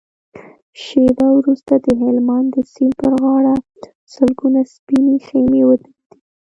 شېبه وروسته د هلمند د سيند پر غاړه سلګونه سپينې خيمې ودرېدې.